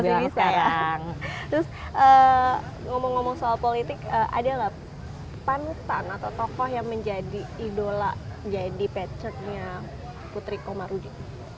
terus ngomong ngomong soal politik ada gak pantan atau tokoh yang menjadi idola jadi patternya putri komarudin